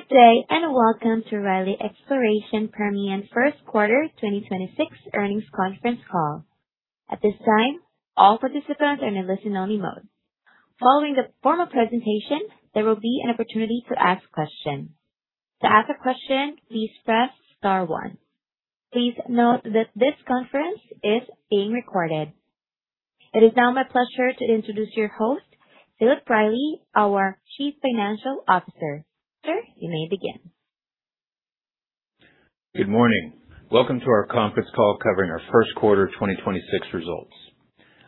Good day, welcome to Riley Exploration Permian First Quarter 2026 Earnings Conference Call. At this time, all participants are in a listen-only mode. Following the formal presentation, there will be an opportunity to ask questions. To ask a question, please press star one. Please note that this conference is being recorded. It is now my pleasure to introduce your host, Philip Riley, our Chief Financial Officer. Sir, you may begin. Good morning. Welcome to our conference call covering our first quarter 2026 results.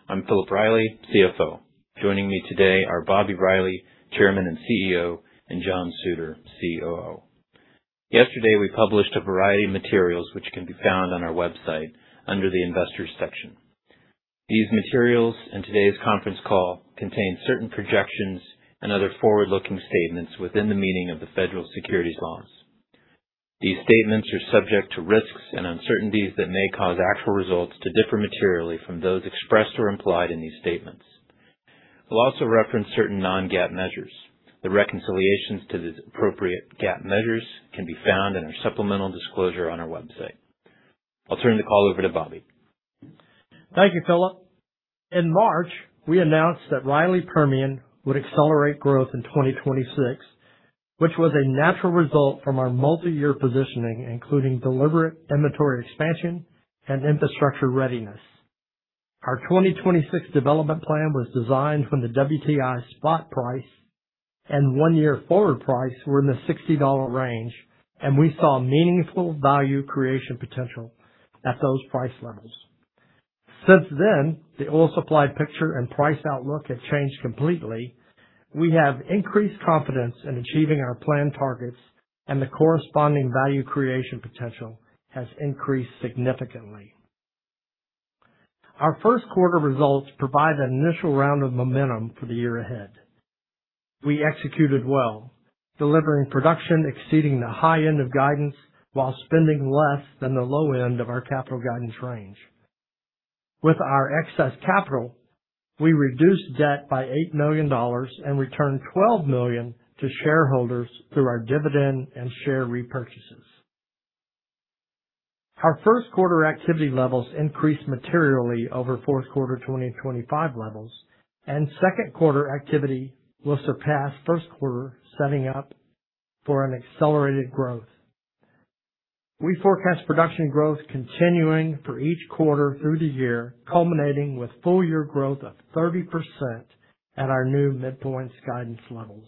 I'm Philip Riley, CFO. Joining me today are Bobby Riley, Chairman and CEO, and John Suter, COO. Yesterday, we published a variety of materials which can be found on our website under the Investors section. These materials and today's conference call contain certain projections and other forward-looking statements within the meaning of the federal securities laws. These statements are subject to risks and uncertainties that may cause actual results to differ materially from those expressed or implied in these statements. We'll also reference certain non-GAAP measures. The reconciliations to the appropriate GAAP measures can be found in our supplemental disclosure on our website. I'll turn the call over to Bobby. Thank you, Philip. In March, we announced that Riley Permian would accelerate growth in 2026, which was a natural result from our multi-year positioning, including deliberate inventory expansion and infrastructure readiness. Our 2026 development plan was designed when the WTI spot price and one-year forward price were in the $60 range, and we saw meaningful value creation potential at those price levels. Since then, the oil supply picture and price outlook have changed completely. We have increased confidence in achieving our planned targets, and the corresponding value creation potential has increased significantly. Our first quarter results provide an initial round of momentum for the year ahead. We executed well, delivering production exceeding the high end of guidance while spending less than the low end of our capital guidance range. With our excess capital, we reduced debt by $8 million and returned $12 million to shareholders through our dividend and share repurchases. Our first quarter activity levels increased materially over fourth quarter 2025 levels, and second quarter activity will surpass first quarter, setting up for an accelerated growth. We forecast production growth continuing for each quarter through the year, culminating with full year growth of 30% at our new midpoints guidance levels.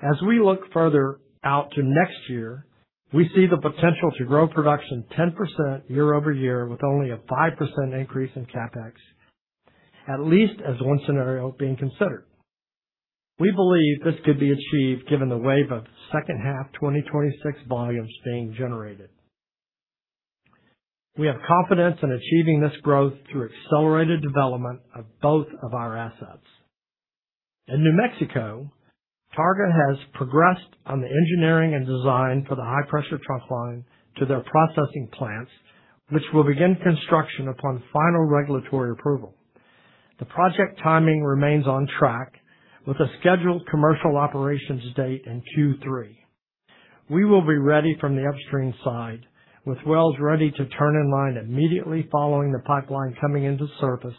As we look further out to next year, we see the potential to grow production 10% year-over-year with only a 5% increase in CapEx, at least as one scenario being considered. We believe this could be achieved given the wave of second half 2026 volumes being generated. We have confidence in achieving this growth through accelerated development of both of our assets. In New Mexico, Targa has progressed on the engineering and design for the high-pressure trunk line to their processing plants, which will begin construction upon final regulatory approval. The project timing remains on track with a scheduled commercial operations date in Q3. We will be ready from the upstream side, with wells ready to turn in line immediately following the pipeline coming into service,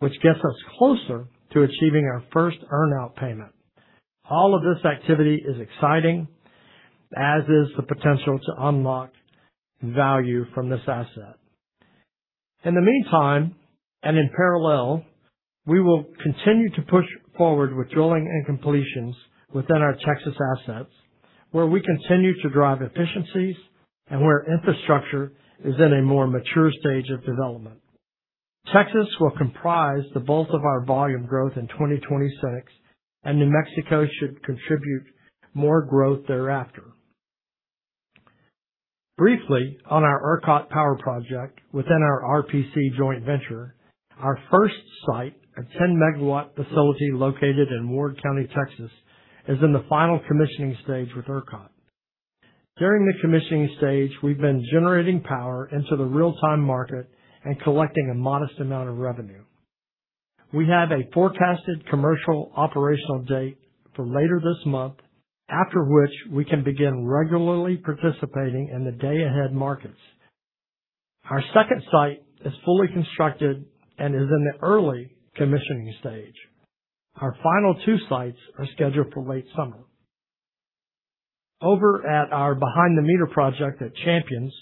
which gets us closer to achieving our first earnout payment. All of this activity is exciting, as is the potential to unlock value from this asset. In the meantime, and in parallel, we will continue to push forward with drilling and completions within our Texas assets, where we continue to drive efficiencies and where infrastructure is in a more mature stage of development. Texas will comprise the bulk of our volume growth in 2026, and New Mexico should contribute more growth thereafter. Briefly, on our ERCOT power project within our RPC joint venture, our first site, a 10 MW facility located in Ward County, Texas, is in the final commissioning stage with ERCOT. During the commissioning stage, we've been generating power into the real-time market and collecting a modest amount of revenue. We have a forecasted commercial operational date for later this month, after which we can begin regularly participating in the day-ahead markets. Our second site is fully constructed and is in the early commissioning stage. Our final two sites are scheduled for late summer. Over at our behind the meter project at Champions,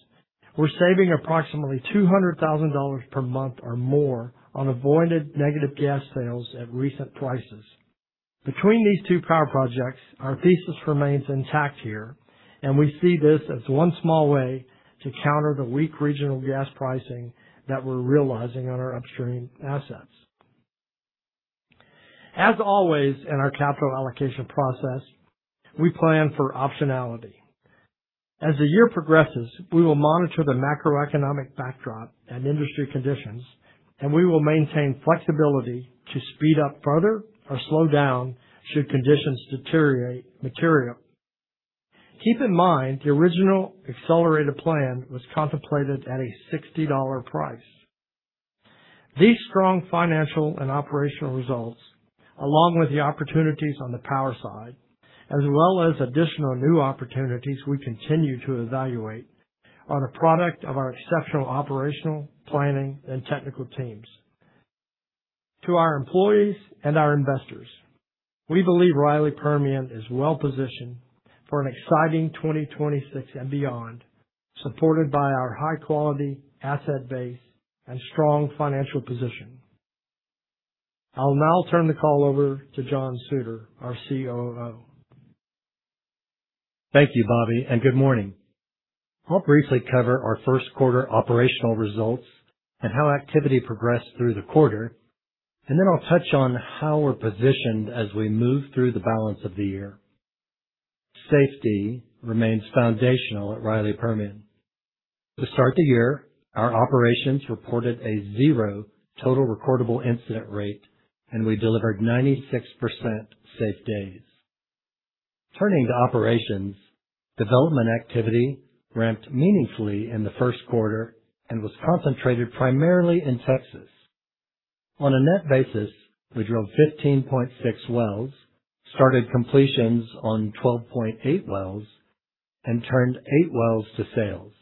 we're saving approximately $200,000 per month or more on avoided negative gas sales at recent prices. Between these two power projects, our thesis remains intact here, and we see this as one small way to counter the weak regional gas pricing that we're realizing on our upstream assets. As always in our capital allocation process, we plan for optionality. As the year progresses, we will monitor the macroeconomic backdrop and industry conditions, and we will maintain flexibility to speed up further or slow down should conditions deteriorate materially. Keep in mind the original accelerated plan was contemplated at a $60 price. These strong financial and operational results, along with the opportunities on the power side, as well as additional new opportunities we continue to evaluate, are the product of our exceptional operational planning and technical teams. To our employees and our investors, we believe Riley Permian is well positioned for an exciting 2026 and beyond, supported by our high quality asset base and strong financial position. I'll now turn the call over to John Suter, our COO. Thank you, Bobby. Good morning. I'll briefly cover our first quarter operational results and how activity progressed through the quarter. Then I'll touch on how we're positioned as we move through the balance of the year. Safety remains foundational at Riley Permian. To start the year, our operations reported a zero total recordable incident rate, and we delivered 96% safe days. Turning to operations, development activity ramped meaningfully in the first quarter and was concentrated primarily in Texas. On a net basis, we drilled 15.6 wells, started completions on 12.8 wells, and turned eight wells to sales.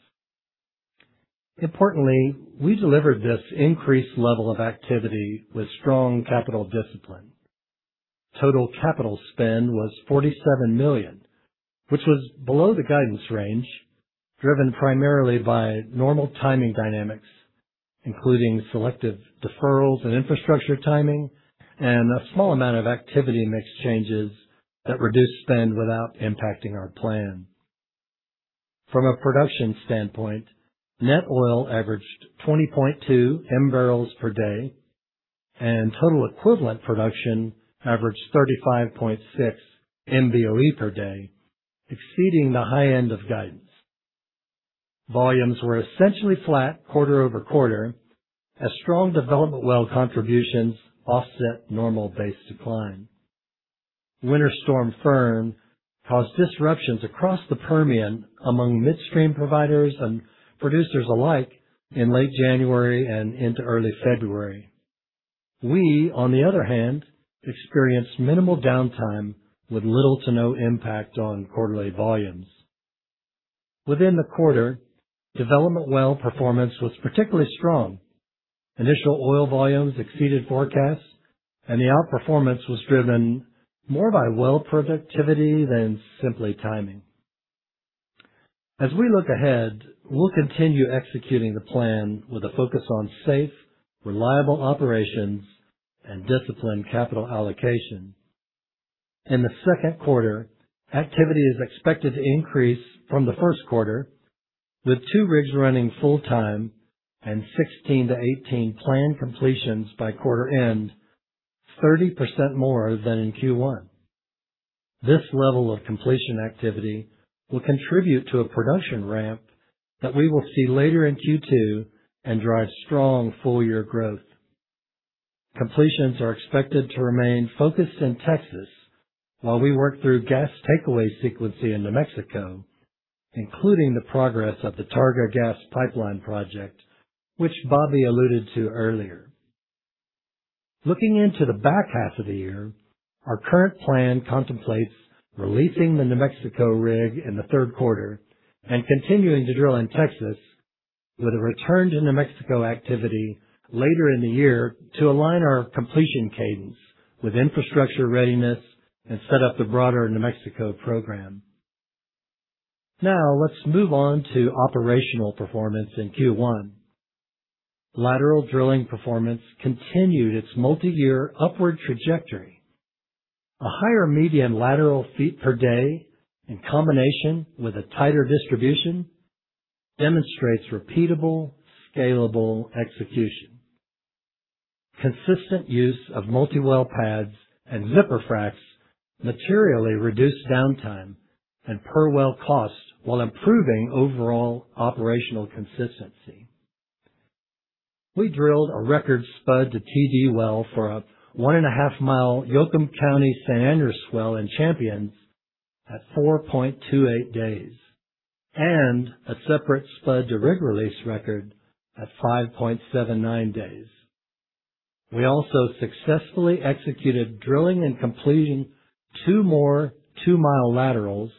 Importantly, we delivered this increased level of activity with strong capital discipline. Total capital spend was $47 million, which was below the guidance range, driven primarily by normal timing dynamics, including selective deferrals and infrastructure timing and a small amount of activity mix changes that reduced spend without impacting our plan. From a production standpoint, net oil averaged 20.2 Mbpd, and total equivalent production averaged 35.6 MBOE per day, exceeding the high end of guidance. Volumes were essentially flat quarter-over-quarter as strong development well contributions offset normal base decline. Winter Storm Fern caused disruptions across the Permian among midstream providers and producers alike in late January and into early February. We, on the other hand, experienced minimal downtime with little to no impact on quarterly volumes. Within the quarter, development well performance was particularly strong. Initial oil volumes exceeded forecasts, and the outperformance was driven more by well productivity than simply timing. As we look ahead, we'll continue executing the plan with a focus on safe, reliable operations and disciplined capital allocation. In the second quarter, activity is expected to increase from the first quarter, with two rigs running full-time and 16-18 planned completions by quarter end, 30% more than in Q1. This level of completion activity will contribute to a production ramp that we will see later in Q2 and drive strong full-year growth. Completions are expected to remain focused in Texas while we work through gas takeaway sequencing in New Mexico, including the progress of the Targa gas pipeline project, which Bobby alluded to earlier. Looking into the back half of the year, our current plan contemplates releasing the New Mexico rig in the third quarter and continuing to drill in Texas with a return to New Mexico activity later in the year to align our completion cadence with infrastructure readiness and set up the broader New Mexico program. Now let's move on to operational performance in Q1. Lateral drilling performance continued its multi-year upward trajectory. A higher median lateral feet per day in combination with a tighter distribution demonstrates repeatable, scalable execution. Consistent use of multi-well pads and zipper fracturing materially reduce downtime and per well costs while improving overall operational consistency. We drilled a record spud to TD well for a 1.5 mi Yoakum County San Andres well in Champions at 4.28 days, and a separate spud to rig release record at 5.79 days. We also successfully executed drilling and completing two more 2-mi laterals,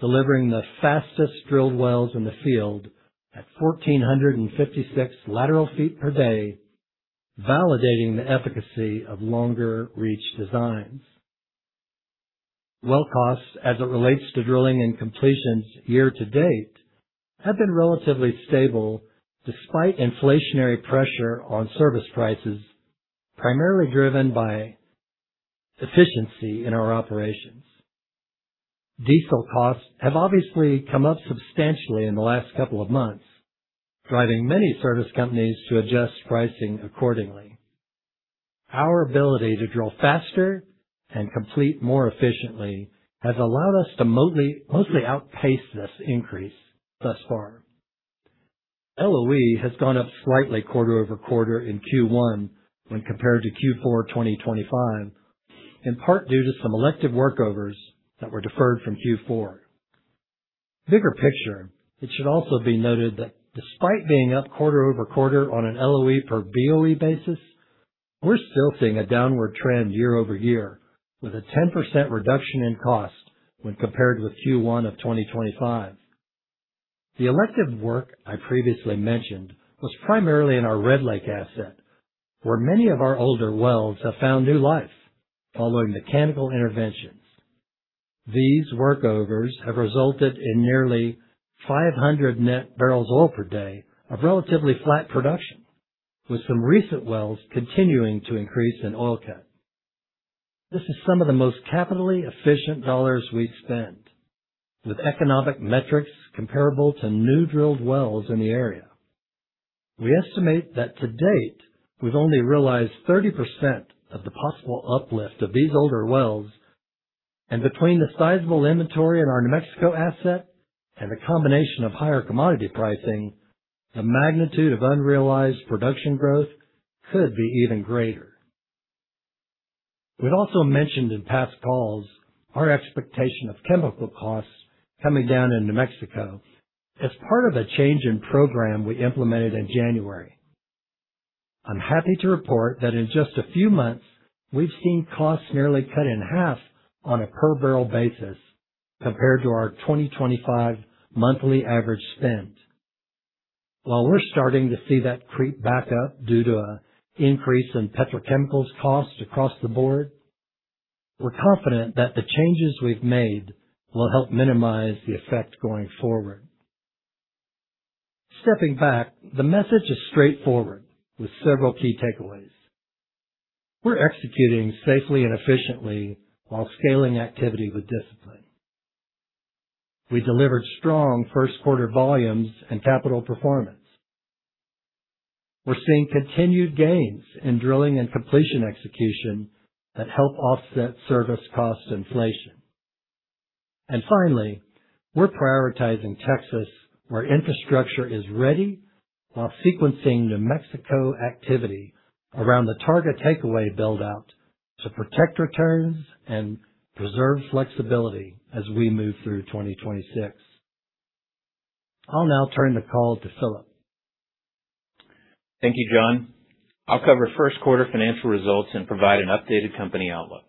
delivering the fastest drilled wells in the field at 1,456 lateral feet per day, validating the efficacy of longer reach designs. Well costs as it relates to drilling and completions year-to-date have been relatively stable despite inflationary pressure on service prices, primarily driven by efficiency in our operations. Diesel costs have obviously come up substantially in the last couple of months, driving many service companies to adjust pricing accordingly. Our ability to drill faster and complete more efficiently has allowed us to mostly outpace this increase thus far. LOE has gone up slightly quarter-over-quarter in Q1 when compared to Q4 2025, in part due to some elective workovers that were deferred from Q4. Bigger picture, it should also be noted that despite being up quarter-over-quarter on an LOE per BOE basis, we're still seeing a downward trend year-over-year with a 10% reduction in cost when compared with Q1 of 2025. The elective work I previously mentioned was primarily in our Red Lake asset, where many of our older wells have found new life following mechanical interventions. These workovers have resulted in nearly 500 net barrels oil per day of relatively flat production, with some recent wells continuing to increase in oil count. This is some of the most capitally efficient $ we've spent, with economic metrics comparable to new drilled wells in the area. We estimate that to date, we've only realized 30% of the possible uplift of these older wells, and between the sizable inventory in our New Mexico asset and the combination of higher commodity pricing, the magnitude of unrealized production growth could be even greater. We'd also mentioned in past calls our expectation of chemical costs coming down in New Mexico as part of a change in program we implemented in January. I'm happy to report that in just a few months, we've seen costs nearly cut in half on a per barrel basis compared to our 2025 monthly average spend. While we're starting to see that creep back up due to a increase in petrochemicals costs across the board, we're confident that the changes we've made will help minimize the effect going forward. Stepping back, the message is straightforward with several key takeaways. We're executing safely and efficiently while scaling activity with discipline. We delivered strong first quarter volumes and capital performance. We're seeing continued gains in drilling and completion execution that help offset service cost inflation. Finally, we're prioritizing Texas, where infrastructure is ready, while sequencing New Mexico activity around the Targa takeaway build-out to protect returns and preserve flexibility as we move through 2026. I'll now turn the call to Philip. Thank you, John. I'll cover first quarter financial results and provide an updated company outlook.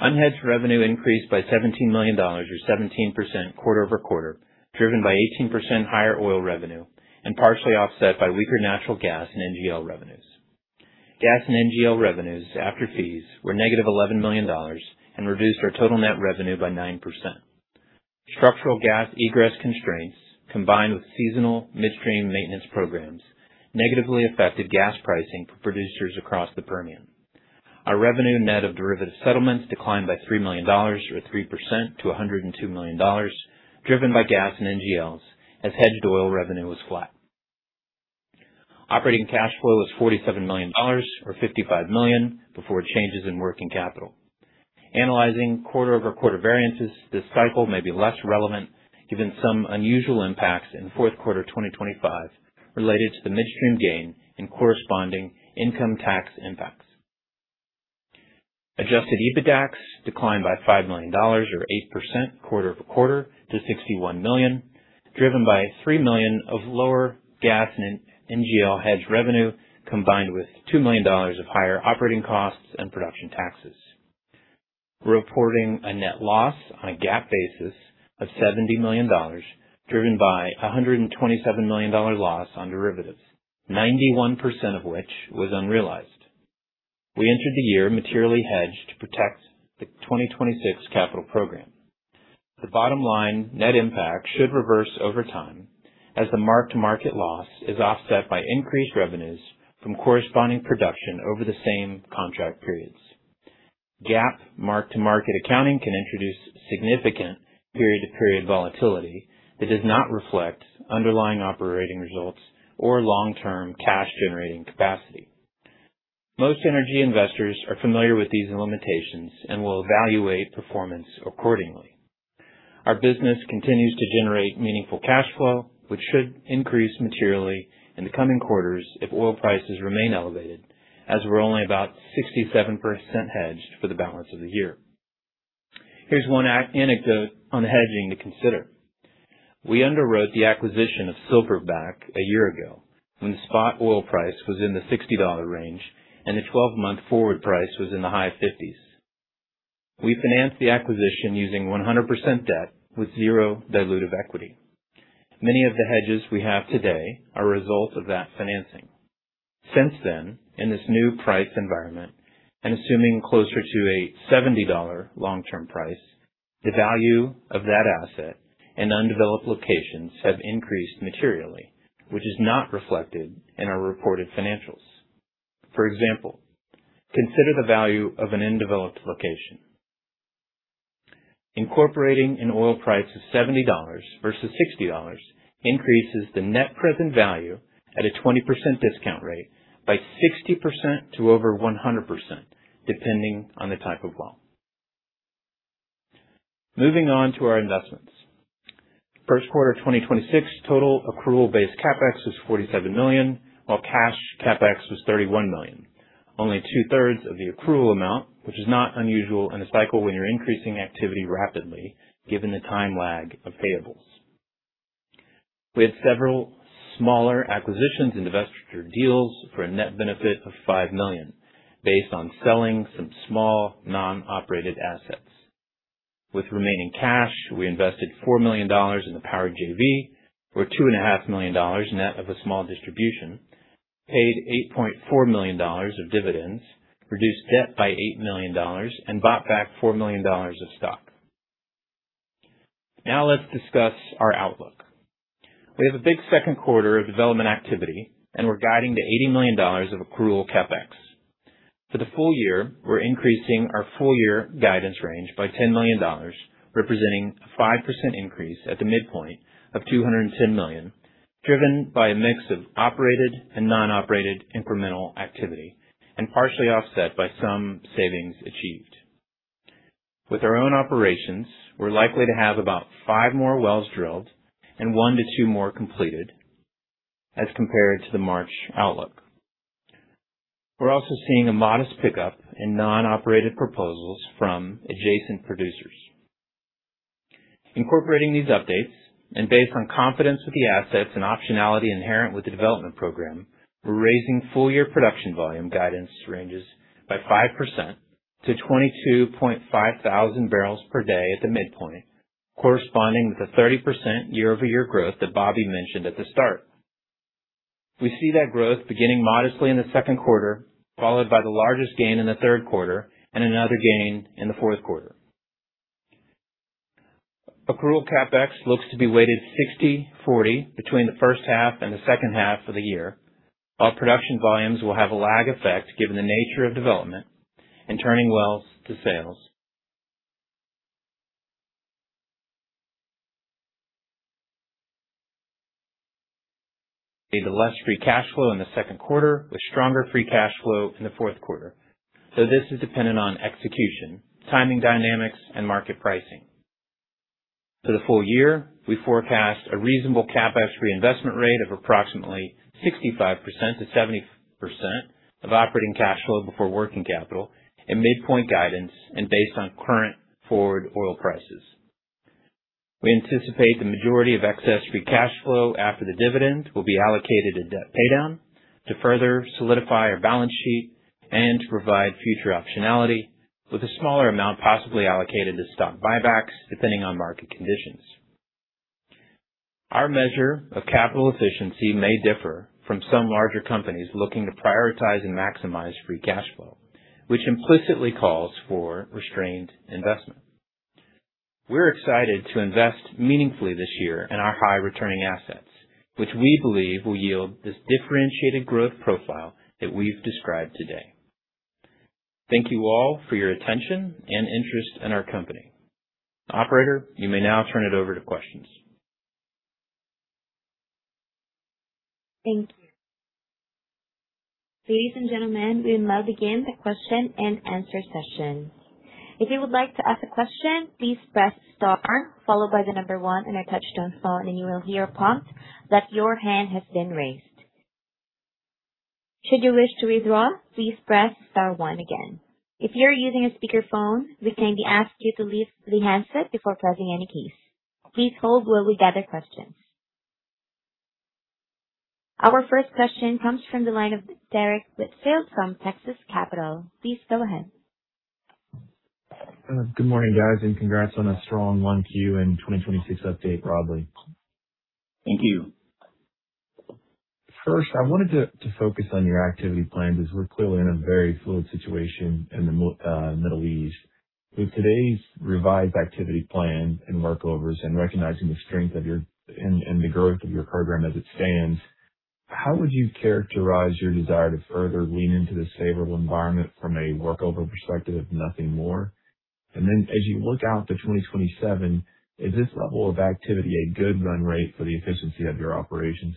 Unhedged revenue increased by $17 million or 17% quarter-over-quarter, driven by 18% higher oil revenue and partially offset by weaker natural gas and NGL revenues. Gas and NGL revenues after fees were -$11 million and reduced our total net revenue by 9%. Structural gas egress constraints, combined with seasonal midstream maintenance programs, negatively affected gas pricing for producers across the Permian. Our revenue net of derivative settlements declined by $3 million or 3% to $102 million, driven by gas and NGLs as hedged oil revenue was flat. Operating cash flow was $47 million or $55 million before changes in working capital. Analyzing quarter-over-quarter variances this cycle may be less relevant given some unusual impacts in fourth quarter 2025 related to the midstream gain and corresponding income tax impacts. Adjusted EBITDAX declined by $5 million or 8% quarter-over-quarter to $61 million, driven by $3 million of lower gas and NGL hedge revenue, combined with $2 million of higher operating costs and production taxes. We're reporting a net loss on a GAAP basis of $70 million, driven by a $127 million loss on derivatives, 91% of which was unrealized. We entered the year materially hedged to protect the 2026 capital program. The bottom line net impact should reverse over time as the mark-to-market loss is offset by increased revenues from corresponding production over the same contract periods. GAAP mark-to-market accounting can introduce significant period-to-period volatility that does not reflect underlying operating results or long-term cash generating capacity. Most energy investors are familiar with these limitations and will evaluate performance accordingly. Our business continues to generate meaningful cash flow, which should increase materially in the coming quarters if oil prices remain elevated, as we're only about 67% hedged for the balance of the year. Here's one anecdote on hedging to consider. We underwrote the acquisition of Silverback a year ago when the spot oil price was in the $60 range and the 12-month forward price was in the high 50s. We financed the acquisition using 100% debt with 0 dilutive equity. Many of the hedges we have today are a result of that financing. Since then, in this new price environment, and assuming closer to a $70 long-term price, the value of that asset and undeveloped locations have increased materially, which is not reflected in our reported financials. For example, consider the value of an undeveloped location. Incorporating an oil price of $70 versus $60 increases the net present value at a 20% discount rate by 60% to over 100%, depending on the type of well. Moving on to our investments. First quarter 2026 total accrual-based CapEx was $47 million, while cash CapEx was $31 million. Only 2/3 of the accrual amount, which is not unusual in a cycle when you're increasing activity rapidly given the time lag of payables. We had several smaller acquisitions and divestiture deals for a net benefit of $5 million based on selling some small non-operated assets. With remaining cash, we invested $4 million in the power JV or $2.5 million net of a small distribution, paid $8.4 million of dividends, reduced debt by $8 million, and bought back $4 million of stock. Let's discuss our outlook. We have a big second quarter of development activity, and we're guiding to $80 million of accrual CapEx. For the full year, we're increasing our full year guidance range by $10 million, representing a 5% increase at the midpoint of $210 million, driven by a mix of operated and non-operated incremental activity and partially offset by some savings achieved. With our own operations, we're likely to have about five more wells drilled and one to two more completed as compared to the March outlook. We're also seeing a modest pickup in non-operated proposals from adjacent producers. Incorporating these updates and based on confidence with the assets and optionality inherent with the development program, we're raising full-year production volume guidance ranges by 5% to 22.5 Mbpd at the midpoint, corresponding with the 30% year-over-year growth that Bobby mentioned at the start. We see that growth beginning modestly in the second quarter, followed by the largest gain in the third quarter and another gain in the fourth quarter. Accrual CapEx looks to be weighted 60/40 between the first half and the second half of the year. Our production volumes will have a lag effect given the nature of development and turning wells to sales. The less free cash flow in the second quarter with stronger free cash flow in the fourth quarter. This is dependent on execution, timing dynamics, and market pricing. For the full year, we forecast a reasonable CapEx reinvestment rate of approximately 65% to 70% of operating cash flow before working capital and midpoint guidance and based on current forward oil prices. We anticipate the majority of excess free cash flow after the dividend will be allocated to debt paydown to further solidify our balance sheet and to provide future optionality with a smaller amount possibly allocated to stock buybacks, depending on market conditions. Our measure of capital efficiency may differ from some larger companies looking to prioritize and maximize free cash flow, which implicitly calls for restrained investment. We're excited to invest meaningfully this year in our high returning assets, which we believe will yield this differentiated growth profile that we've described today. Thank you all for your attention and interest in our company. Operator, you may now turn it over to questions. Thank you. Ladies and gentlemen, we will now begin the question-and-answer session. Our first question comes from the line of Derrick Whitfield from Texas Capital. Please go ahead. Good morning, guys, and congrats on a strong 1Q and 2026 update broadly. Thank you. First, I wanted to focus on your activity plan because we're clearly in a very fluid situation in the Middle East. With today's revised activity plan and workovers and recognizing the strength of your and the growth of your program as it stands, how would you characterize your desire to further lean into this favorable environment from a workover perspective, if nothing more? As you look out to 2027, is this level of activity a good run rate for the efficiency of your operations?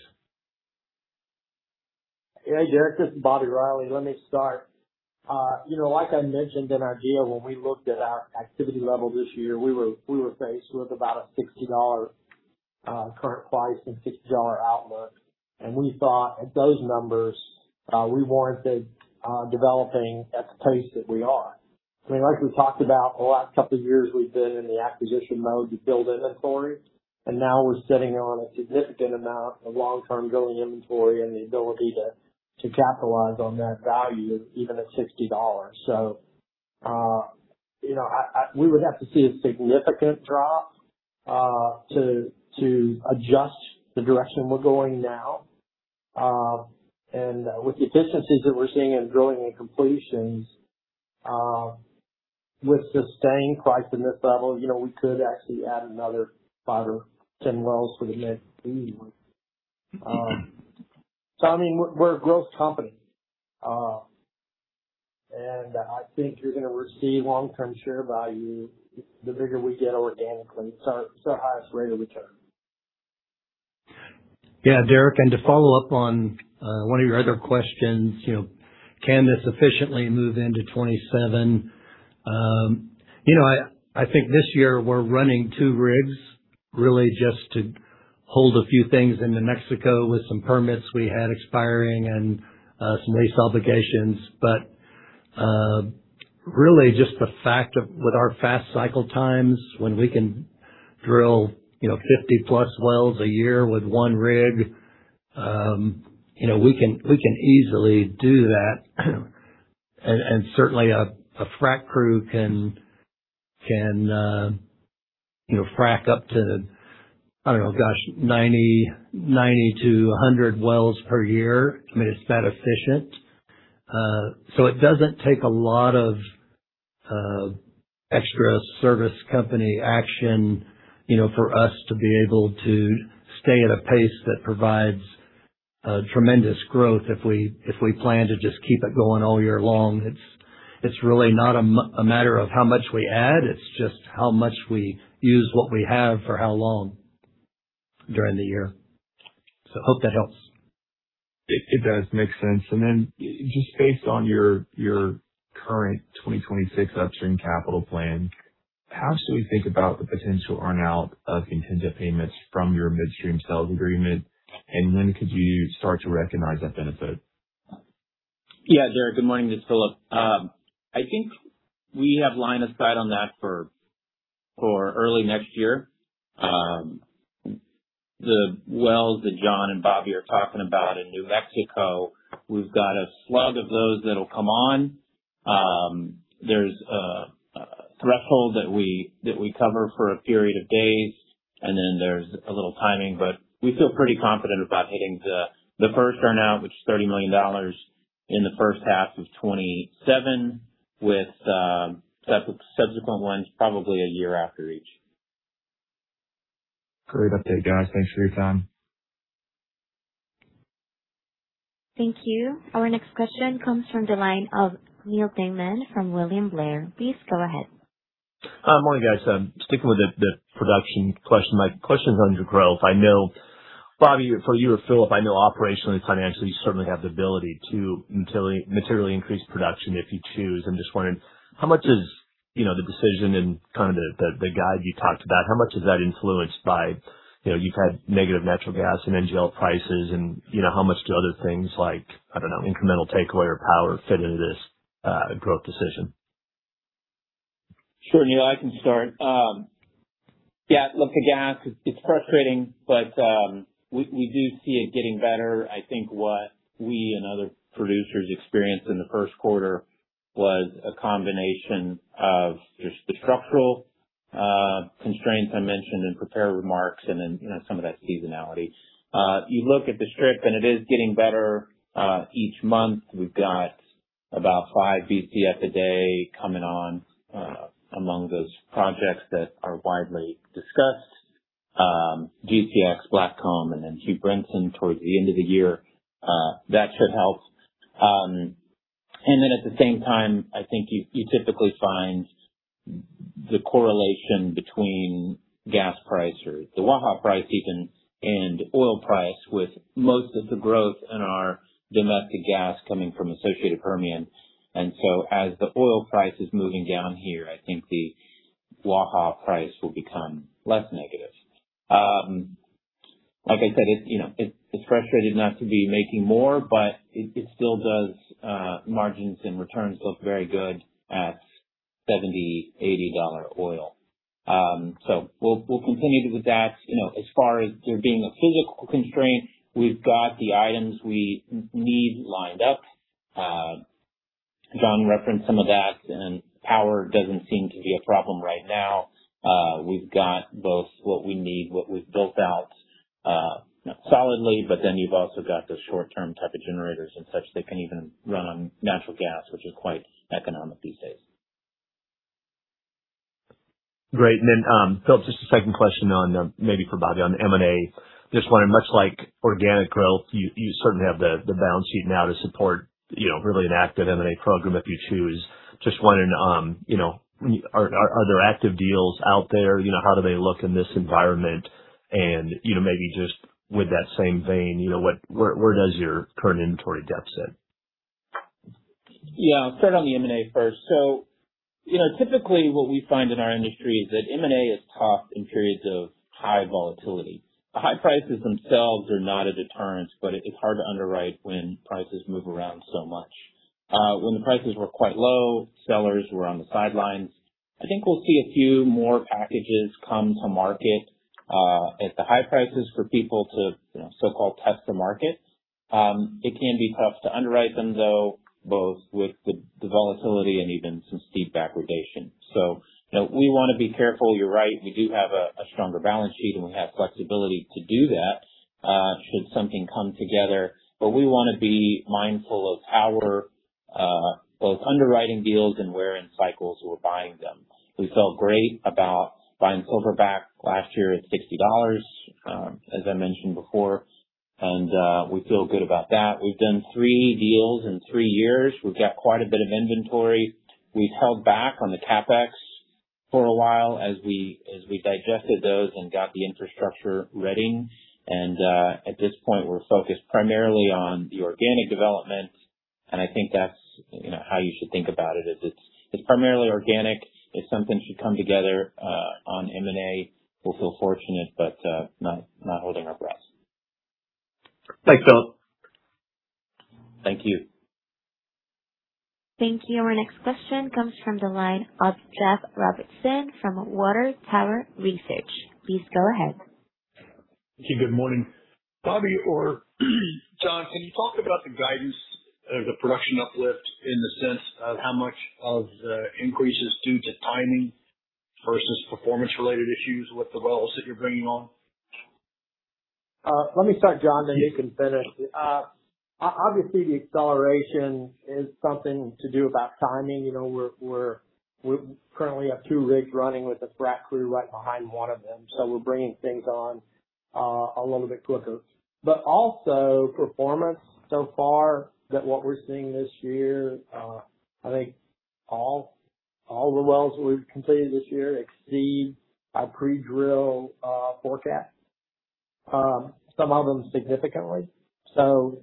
Yeah, Derrick, this is Bobby Riley. Let me start. You know, like I mentioned in our deal, when we looked at our activity level this year, we were faced with about a $60 current price and $60 outlook. We thought at those numbers, we warranted developing at the pace that we are. I mean, like we talked about the last couple of years, we've been in the acquisition mode to build inventory, and now we're sitting on a significant amount of long-term drilling inventory and the ability to capitalize on that value even at $60. You know, I we would have to see a significant drop to adjust the direction we're going now. With the efficiencies that we're seeing in drilling and completions, with sustained price in this level, you know, we could actually add another five or 10 wells for the mid. I mean, we're a growth company. I think you're gonna receive long-term share value the bigger we get organically, so highest rate of return. Yeah, Derrick, to follow up on one of your other questions, you know, can this efficiently move into 2027? You know, I think this year we're running two rigs really just to Hold a few things in New Mexico with some permits we had expiring and some lease obligations. Really just the fact of with our fast cycle times, when we can drill, you know, 50+ wells a year with one rig, you know, we can, we can easily do that. Certainly a frack crew can, you know, frack up to, I don't know, gosh, 90 to 100 wells per year. I mean, it's that efficient. It doesn't take a lot of extra service company action, you know, for us to be able to stay at a pace that provides tremendous growth if we, if we plan to just keep it going all year long. It's really not a matter of how much we add, it's just how much we use what we have for how long during the year. Hope that helps. It does. Makes sense. Then just based on your current 2026 upstream capital plan, how should we think about the potential earn-out of contingent payments from your midstream sales agreement, and when could you start to recognize that benefit? Yeah, Derrick, good morning. This is Philip. I think we have line of sight on that for early next year. The wells that John and Bobby are talking about in New Mexico, we've got a slug of those that'll come on. There's a threshold that we cover for a period of days, and then there's a little timing, but we feel pretty confident about hitting the first earn-out, which is $30 million in the first half of 2027 with subsequent ones probably one year after each. Great update, guys. Thanks for your time. Thank you. Our next question comes from the line of Neal Dingmann from William Blair. Please go ahead. Morning, guys. Sticking with the production question. My question is on your growth. I know, Bobby, for you or Philip, I know operationally, financially, you certainly have the ability to materially increase production if you choose. I'm just wondering how much is, you know, the decision and kind of the guide you talked about, how much is that influenced by, you know, you've had negative natural gas and NGL prices and you know, how much do other things like, I don't know, incremental takeaway or power fit into this growth decision? Sure, Neal, I can start. Yeah, look, the gas, it's frustrating, we do see it getting better. I think what we and other producers experienced in the first quarter was a combination of just the structural constraints I mentioned in prepared remarks and then, you know, some of that seasonality. You look at the strip, it is getting better each month. We've got about 5 BCF a day coming on among those projects that are widely discussed. GCX, Blackcomb, then Hugh Brinson towards the end of the year. That should help. Then at the same time, I think you typically find the correlation between gas price or the Waha price even, and oil price with most of the growth in our domestic gas coming from associated Permian. As the oil price is moving down here, I think the Waha price will become less negative. Like I said, it's, you know, it's frustrating not to be making more, but it still does, margins and returns look very good at $70-$80 oil. We'll continue with that. You know, as far as there being a physical constraint, we've got the items we need lined up. John referenced some of that, and power doesn't seem to be a problem right now. We've got both what we need, what we've built out, you know, solidly, but then you've also got the short-term type of generators and such that can even run on natural gas, which is quite economic these days. Great. Philip, just a second question on maybe for Bobby on the M&A. Just wondering, much like organic growth, you certainly have the balance sheet now to support, you know, really an active M&A program if you choose. Just wondering, you know, are there active deals out there? You know, how do they look in this environment? You know, maybe just with that same vein, you know, where does your current inventory depth sit? Yeah. I'll start on the M&A first. You know, typically what we find in our industry is that M&A is tough in periods of high volatility. High prices themselves are not a deterrence, but it's hard to underwrite when prices move around so much. When the prices were quite low, sellers were on the sidelines. I think we'll see a few more packages come to market at the high prices for people to, you know, so-called test the markets. It can be tough to underwrite them though, both with the volatility and even some steep backwardation. You know, we wanna be careful. You're right, we do have a stronger balance sheet, and we have flexibility to do that should something come together. We wanna be mindful of how we're both underwriting deals and where in cycles we're buying them. We felt great about buying Silverback last year at $60, as I mentioned before. We feel good about that. We've done three deals in three years. We've got quite a bit of inventory. We've held back on the CapEx for a while as we digested those and got the infrastructure ready. At this point, we're focused primarily on the organic development. I think that's, you know, how you should think about it is it's primarily organic. If something should come together on M&A, we'll feel fortunate, but not holding our breath. Thanks, Phil. Thank you. Thank you. Our next question comes from the line of Jeff Robertson from Water Tower Research. Please go ahead. Thank you. Good morning. Bobby or John, can you talk about the guidance of the production uplift in the sense of how much of the increase is due to timing versus performance-related issues with the wells that you're bringing on? Let me start, John, you can finish. The acceleration is something to do about timing. You know, we currently have two rigs running with a frac crew right behind one of them, we're bringing things on a little bit quicker. Also performance so far that what we're seeing this year, I think all the wells we've completed this year exceed our pre-drill forecast. Some of them significantly. John,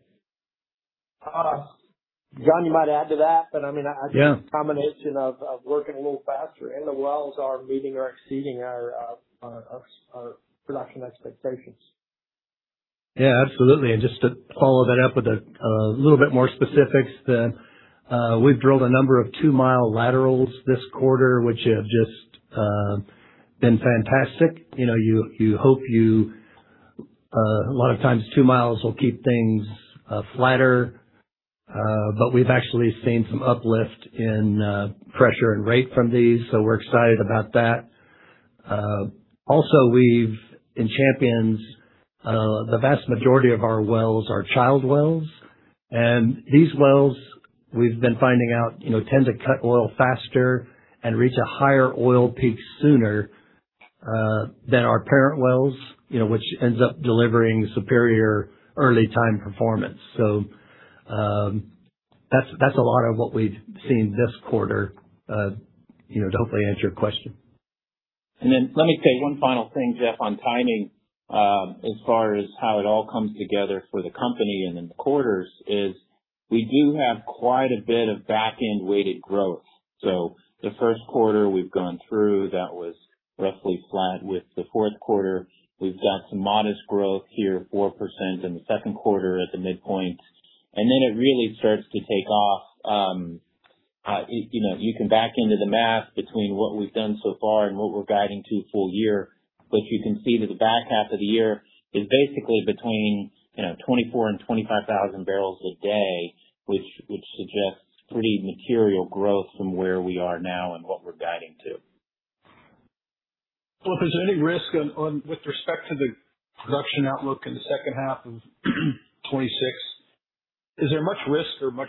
you might add to that, I mean. Yeah. A combination of working a little faster and the wells are meeting or exceeding our production expectations. Absolutely. Just to follow that up with a little bit more specifics, we've drilled a number of 2 mi laterals this quarter, which have just been fantastic. You know, you hope a lot of times 2 mi will keep things flatter, but we've actually seen some uplift in pressure and rate from these, so we're excited about that. Also, we've In Champions, the vast majority of our wells are child wells. These wells we've been finding out, you know, tend to cut oil faster and reach a higher oil peak sooner than our parent wells, you know, which ends up delivering superior early time performance. That's a lot of what we've seen this quarter, you know, to hopefully answer your question. Let me say one final thing, Jeff, on timing, as far as how it all comes together for the company and in the quarters, is we do have quite a bit of back-end-weighted growth. The first quarter we've gone through that was roughly flat with the fourth quarter. We've got some modest growth here, 4% in the second quarter at the midpoint. It really starts to take off, you know, you can back into the math between what we've done so far and what we're guiding to full year, but you can see that the back half of the year is basically between, you know, 24,000-25,000 bpd, which suggests pretty material growth from where we are now and what we're guiding to. Well, if there's any risk on with respect to the production outlook in the second half of 2026, is there much risk or much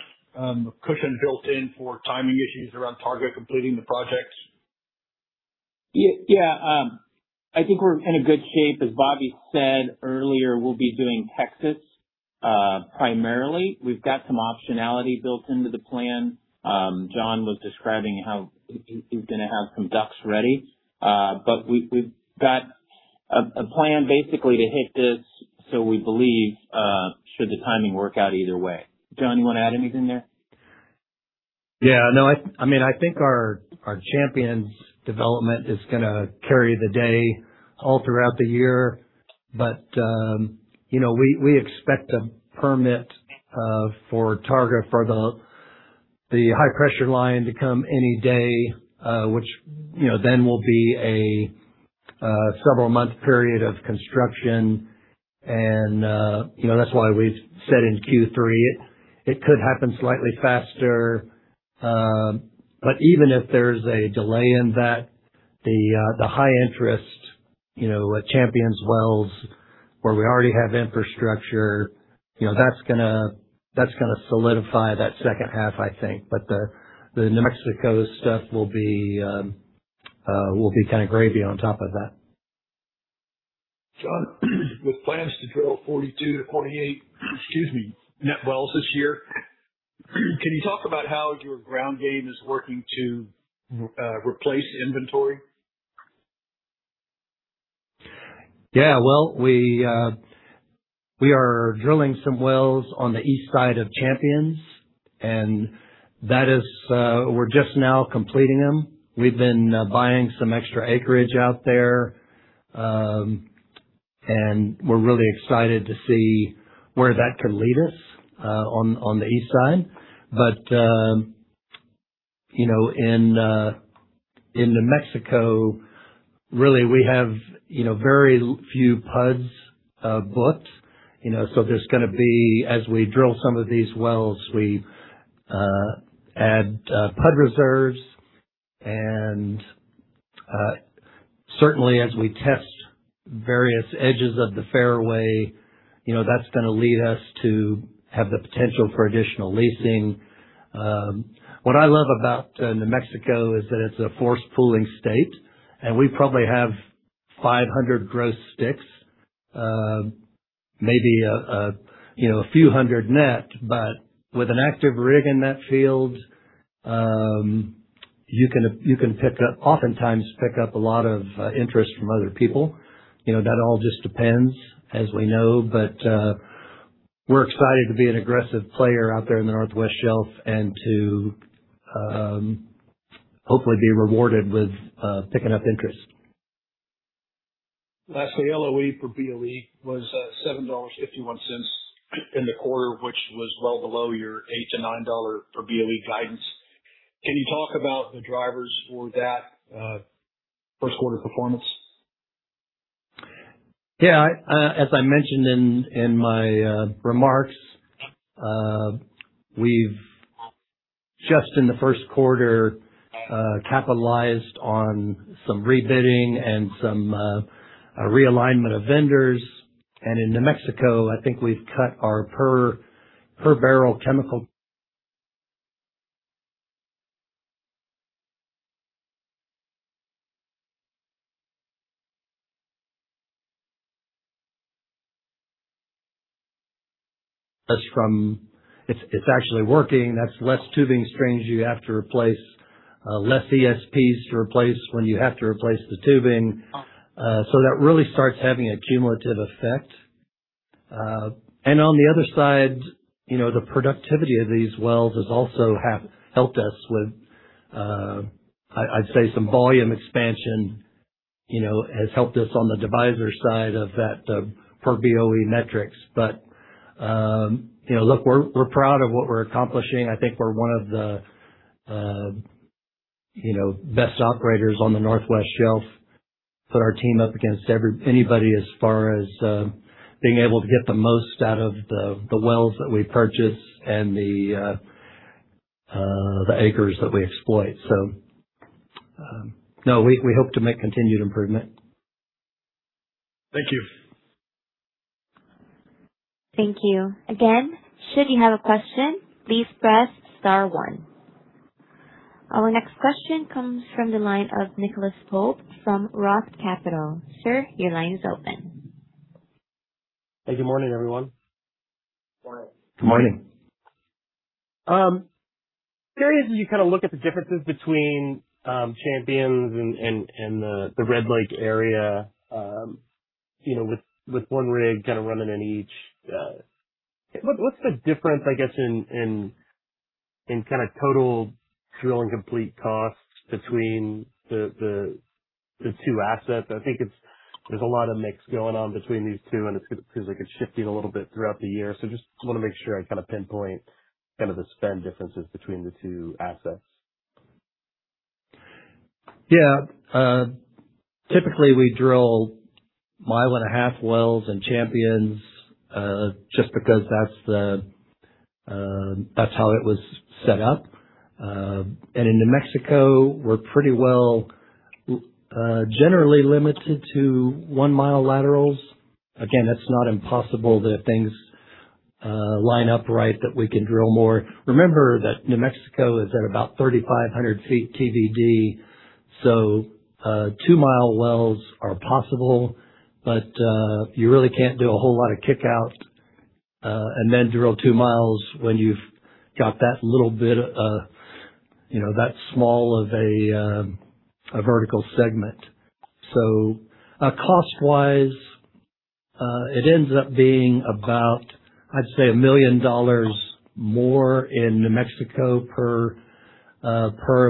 cushion built in for timing issues around Targa completing the projects? Yeah. I think we're in a good shape. As Bobby said earlier, we'll be doing Texas primarily. We've got some optionality built into the plan. John was describing how he's gonna have some DUCs ready. We've got a plan basically to hit this, so we believe should the timing work out either way. John, you wanna add anything there? Yeah, no. I mean, I think our Champions development is gonna carry the day all throughout the year. You know, we expect a permit for Targa for the high-pressure line to come any day, which, you know, then will be a several-month period of construction and, you know, that's why we've said in Q3. It could happen slightly faster. Even if there's a delay in that, the high interest, you know, Champions wells where we already have infrastructure, you know, that's gonna solidify that second half, I think. The New Mexico stuff will be kind of gravy on top of that. John, with plans to drill 42 to 48, excuse me, net wells this year, can you talk about how your ground game is working to replace inventory? Well, we are drilling some wells on the east side of Champions, that is, we're just now completing them. We've been buying some extra acreage out there, we're really excited to see where that could lead us, on the east side. You know, in New Mexico, really we have, you know, very few PUDs booked, you know. There's gonna be, as we drill some of these wells, we add PUD reserves and certainly as we test various edges of the fairway, you know, that's gonna lead us to have the potential for additional leasing. What I love about New Mexico is that it's a forced pooling state, and we probably have 500 gross sticks, maybe, you know, a few hundred net, but with an active rig in that field, you can oftentimes pick up a lot of interest from other people. You know, that all just depends, as we know. We're excited to be an aggressive player out there in the Northwest Shelf and to hopefully be rewarded with picking up interest. Lastly, LOE for BOE was $7.51 in the quarter, which was well below your $8-$9 per BOE guidance. Can you talk about the drivers for that, first quarter performance? Yeah. As I mentioned in my remarks, we've just in the first quarter capitalized on some rebidding and some realignment of vendors. In New Mexico, I think we've cut our per barrel chemical. It's actually working. That's less tubing strings you have to replace, less ESPs to replace when you have to replace the tubing. That really starts having a cumulative effect. On the other side, you know, the productivity of these wells has also have helped us with, I'd say some volume expansion, you know, has helped us on the divisor side of that per BOE metrics. You know, look, we're proud of what we're accomplishing. I think we're one of the, you know, best operators on the Northwest Shelf. Put our team up against anybody as far as being able to get the most out of the wells that we purchase and the acres that we exploit. No, we hope to make continued improvement. Thank you. Thank you. Again, should you have a question, please press star one. Our next question comes from the line of Nicholas Pope from ROTH Capital. Sir, your line is open. Hey, good morning, everyone. Morning. Good morning. Curious as you kinda look at the differences between Champions and the Red Lake area, you know, with 1 rig kinda running in each, what's the difference, I guess, in kinda total drill and complete costs between the two assets? I think there's a lot of mix going on between these two, and it seems like it's shifting a little bit throughout the year. Just wanna make sure I kinda pinpoint kind of the spend differences between the two assets. Typically we drill 1.5 mi wells in Champions, just because that's the, that's how it was set up. In New Mexico, we're pretty well, generally limited to 1 mi laterals. Again, that's not impossible that if things line up right, that we can drill more. Remember that New Mexico is at about 3,500 ft TVD, so 2 mi wells are possible. You really can't do a whole lot of kickout, and then drill 2 mi when you've got that little bit, you know, that small of a vertical segment. Cost-wise, it ends up being about, I'd say, $1 million more in New Mexico per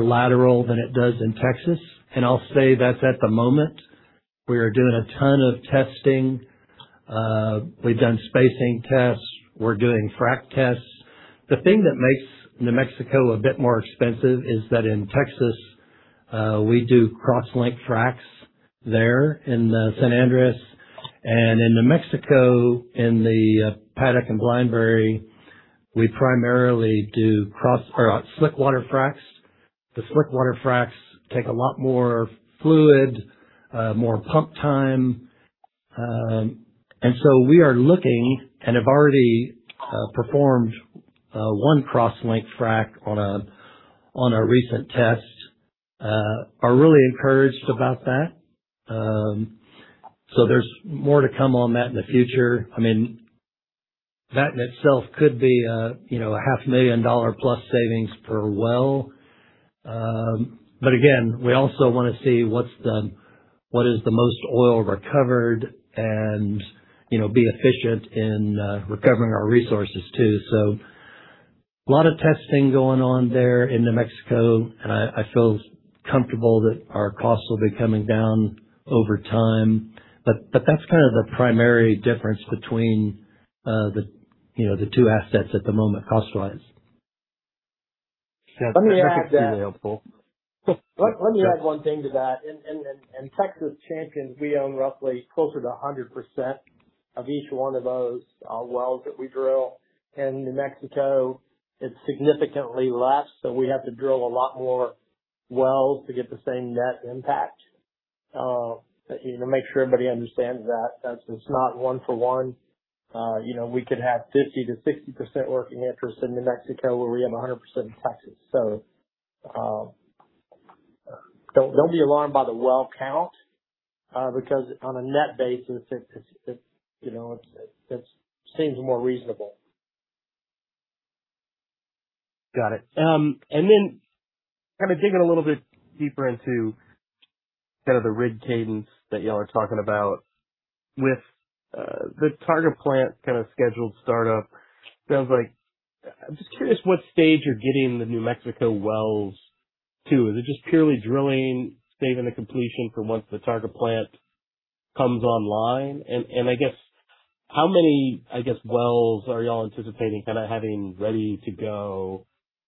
lateral than it does in Texas. I'll say that's at the moment. We are doing a ton of testing. We've done spacing tests. We're doing frack tests. The thing that makes New Mexico a bit more expensive is that in Texas, we do crosslink fracs there in San Andres. In New Mexico, in the Paddock and Blinebry, we primarily do or slick water fracs. The slick water fracs take a lot more fluid, more pump time. We are looking, and have already, performed one crosslink frac on a recent test. Are really encouraged about that. There's more to come on that in the future. I mean, that in itself could be a, you know, a half-million-dollar-plus savings per well. Again, we also wanna see what is the most oil recovered and, you know, be efficient in recovering our resources too. A lot of testing going on there in New Mexico, and I feel comfortable that our costs will be coming down over time. That's kind of the primary difference between the, you know, the two assets at the moment cost-wise. Yeah. That's extremely helpful. Let me add that. Sure. Let me add one thing to that. In Texas Champions, we own roughly closer to 100% of each one of those wells that we drill. In New Mexico, it's significantly less, so we have to drill a lot more wells to get the same net impact. You know, make sure everybody understands that it's not one for one. You know, we could have 50%-60% working interest in New Mexico, where we have 100% in Texas. Don't be alarmed by the well count, because on a net basis it, you know, it seems more reasonable. Got it. Kinda digging a little bit deeper into kind of the rig cadence that y'all are talking about with the Targa plant kinda scheduled startup. Sounds like I'm just curious what stage you're getting the New Mexico wells to. Is it just purely drilling, saving the completion for once the Targa plant comes online? I guess how many, I guess, wells are y'all anticipating kinda having ready to go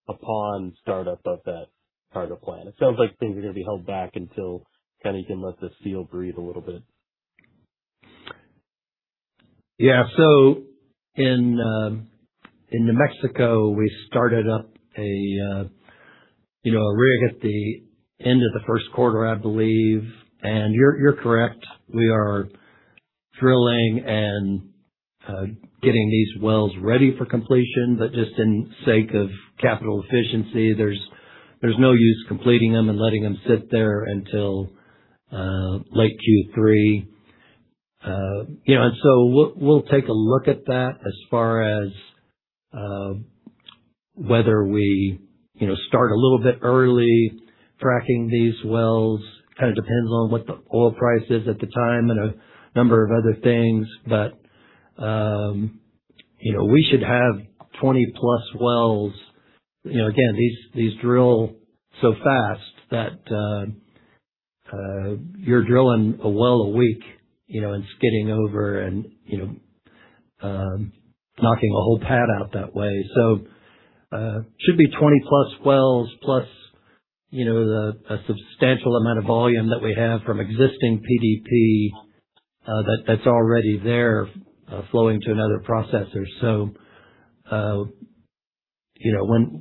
upon startup of that Targa plant? It sounds like things are gonna be held back until kinda you can let the sale breathe a little bit. Yeah. In New Mexico, we started up a, you know, a rig at the end of the first quarter, I believe. You're correct. We are drilling and getting these wells ready for completion. Just in sake of capital efficiency, there's no use completing them and letting them sit there until late Q3. You know, we'll take a look at that as far as whether we, you know, start a little bit early fracking these wells. Kinda depends on what the oil price is at the time and a number of other things. You know, we should have 20-plus wells. You know, again, these drill so fast that you're drilling a well a week, you know, and skidding over and, you know, knocking a whole pad out that way. should be 20-plus wells plus, you know, the, a substantial amount of volume that we have from existing PDP that's already there flowing to another processor.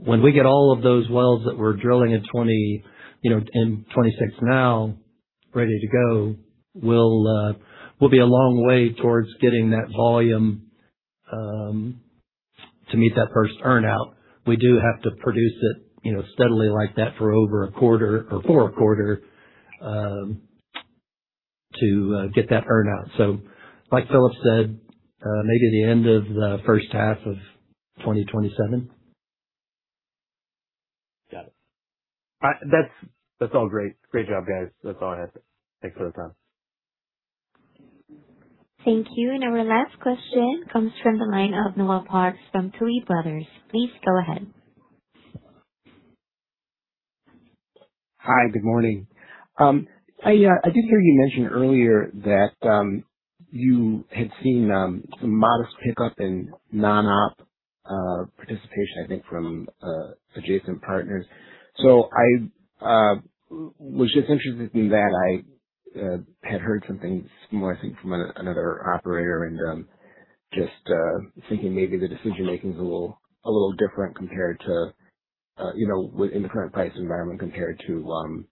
when we get all of those wells that we're drilling in 20, you know, in 2026 now ready to go, we'll be a long way towards getting that volume to meet that first earnout. We do have to produce it, you know, steadily like that for over a quarter or for a quarter to get that earnout. Like Philip said, maybe the end of the first half of 2027. Got it. That's all great. Great job, guys. That's all I have. Thanks for the time. Thank you. Our last question comes from the line of Noel Parks from Tuohy Brothers. Please go ahead. Hi. Good morning. I did hear you mention earlier that you had seen some modest pickup in non-op participation, I think, from adjacent partners. I was just interested in that. I had heard something similar, I think, from another operator and just thinking maybe the decision-making is a little different compared to, you know, with in the current price environment compared to,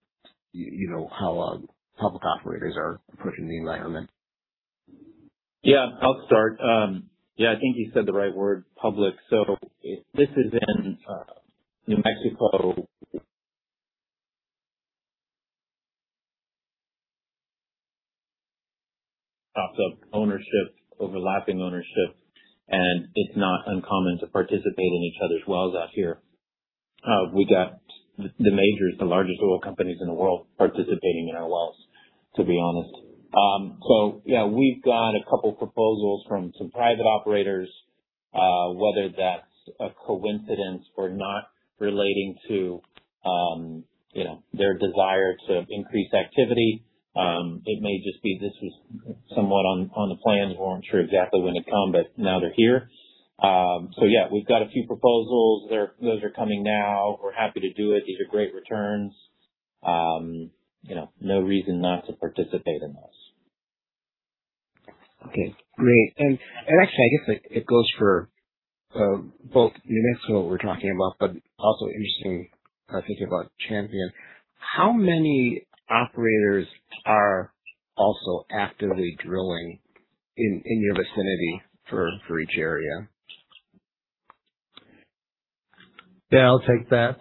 you know, how public operators are approaching the environment. Yeah, I'll start. Yeah, I think you said the right word, public. This is in New Mexico. ups of ownership, overlapping ownership, and it's not uncommon to participate in each other's wells out here. We got the majors, the largest oil companies in the world participating in our wells, to be honest. Yeah, we've got a couple proposals from some private operators. Whether that's a coincidence or not relating to, you know, their desire to increase activity, it may just be this was somewhat on the plans. We weren't sure exactly when to come, now they're here. Yeah, we've got a few proposals. Those are coming now. We're happy to do it. These are great returns. You know, no reason not to participate in this. Okay, great. Actually, I guess, like, it goes for both New Mexico that we're talking about, but also interesting, thinking about Champion. How many operators are also actively drilling in your vicinity for each area? Yeah, I'll take that.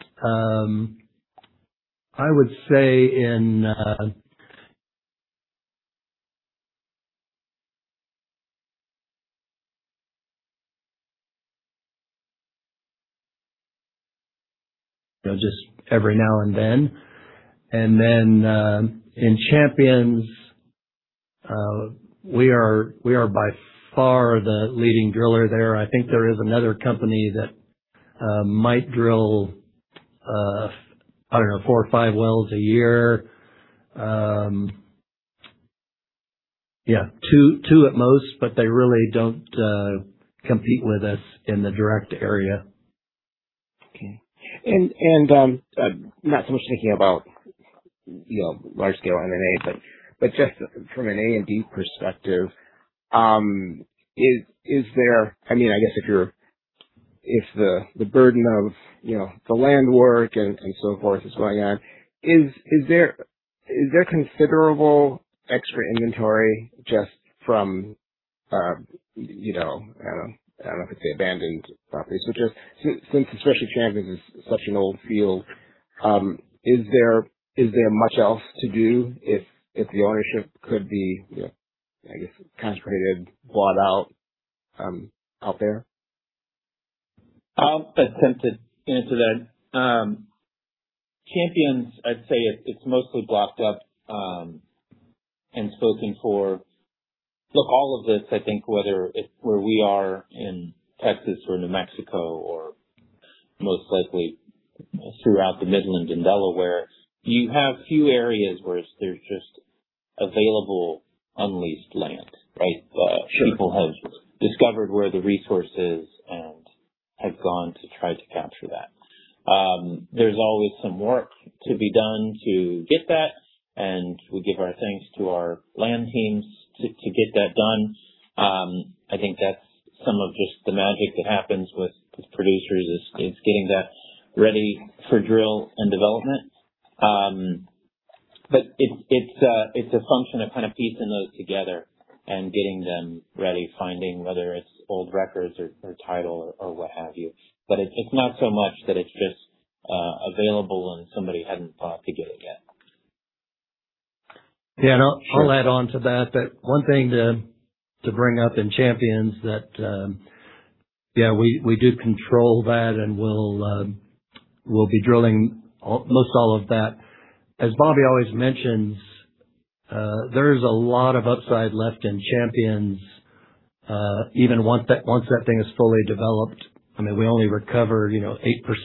I would say in, you know, just every now and then. In Champions, we are by far the leading driller there. I think there is another company that might drill, I don't know, four or five wells a year. Yeah, two at most, they really don't compete with us in the direct area. Okay. Not so much thinking about, you know, large scale M&A, but just from an A&D perspective, is there, I mean, I guess if the burden of, you know, the land work and so forth is going on, is there considerable extra inventory just from, you know, I don't know if it's abandoned properties, which is since especially Champions is such an old field, is there much else to do if the ownership could be, you know, I guess concentrated, bought out there? I'll attempt to answer that. Champions, I'd say it's mostly blocked up and spoken for. All of this, I think whether it's where we are in Texas or New Mexico or most likely throughout the Midland and Delaware, you have few areas where there's just available unleased land, right? Sure. People have discovered where the resource is and have gone to try to capture that. There's always some work to be done to get that, and we give our thanks to our land teams to get that done. I think that's some of just the magic that happens with producers is getting that ready for drill and development. But it's a function of kind of piecing those together and getting them ready, finding whether it's old records or title or what have you. But it's not so much that it's just available and somebody hadn't thought to get it yet. Yeah. Sure. I'll add on to that one thing to bring up in Champions that, Yeah, we do control that, and we'll be drilling almost all of that. As Bobby always mentions, there's a lot of upside left in Champions, even once that, once that thing is fully developed. I mean, we only recover, you know,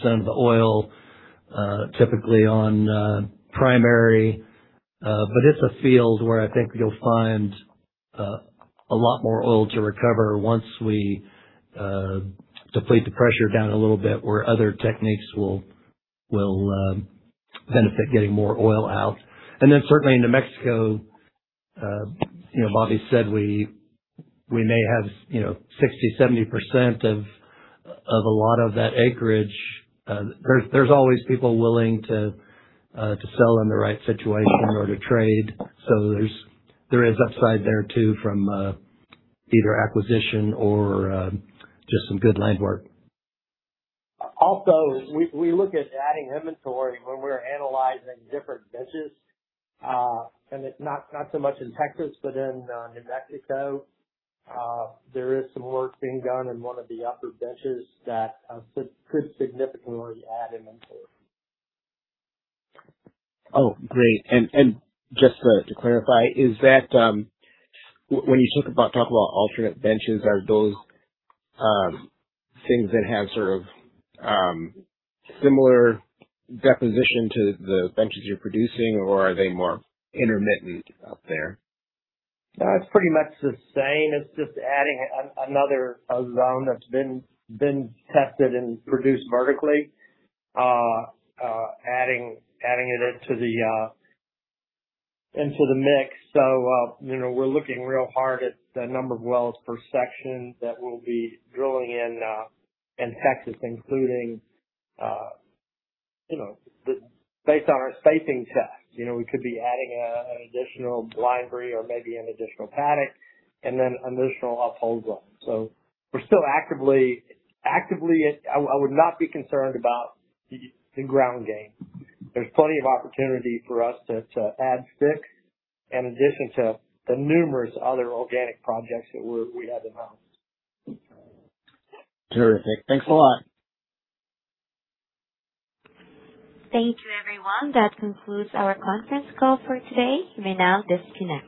8% of the oil, typically on primary. It's a field where I think you'll find, a lot more oil to recover once we deflate the pressure down a little bit, where other techniques will benefit getting more oil out. Certainly in New Mexico, you know, Bobby said we may have, you know, 60%, 70% of a lot of that acreage. There's always people willing to sell in the right situation or to trade. There is upside there too from either acquisition or just some good land work. Also, we look at adding inventory when we're analyzing different benches. It's not so much in Texas, but in New Mexico, there is some work being done in one of the upper benches that could significantly add inventory. Oh, great. Just for, to clarify, is that, when you talk about alternate benches, are those things that have sort of similar deposition to the benches you're producing, or are they more intermittent up there? It's pretty much the same. It's just adding another, a zone that's been tested and produced vertically. Adding it into the mix. You know, we're looking real hard at the number of wells per section that we'll be drilling in Texas, including, you know, the Based on our spacing tests. You know, we could be adding an additional Blinebry or maybe an additional Paddock and then additional uphole zone. We're still actively I would not be concerned about the ground game. There's plenty of opportunity for us to add sticks in addition to the numerous other organic projects that we have announced. Terrific. Thanks a lot. Thank you, everyone. That concludes our conference call for today. You may now disconnect.